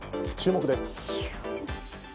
注目です。